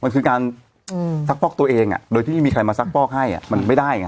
มันคือการซักฟอกตัวเองโดยที่ไม่มีใครมาซักฟอกให้มันไม่ได้ไง